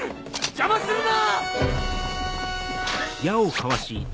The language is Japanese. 邪魔するな！